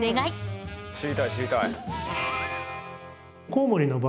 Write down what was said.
知りたい知りたい。